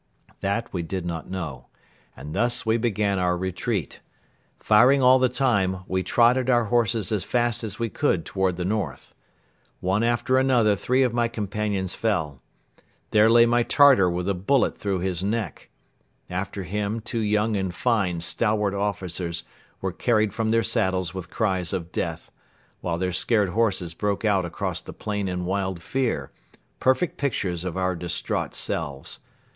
That we did not know. And thus we began our retreat. Firing all the time, we trotted our horses as fast as we could toward the north. One after another three of my companions fell. There lay my Tartar with a bullet through his neck. After him two young and fine stalwart officers were carried from their saddles with cries of death, while their scared horses broke out across the plain in wild fear, perfect pictures of our distraught selves.